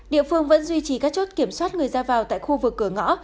địa phương vẫn duy trì các chốt kiểm soát người ra vào tại khu vực cửa ngõ